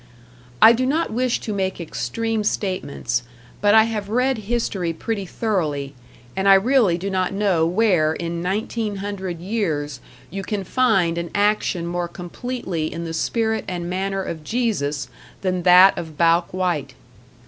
I do not wish to make extreme statements, but I have read history pretty thoroughly, and I really do not know where in nineteen hundred years you can find an action more completely in the spirit and manner of Jesus than that of Bouck White.